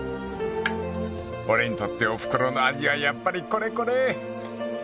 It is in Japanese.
［俺にとっておふくろの味はやっぱりこれこれ！］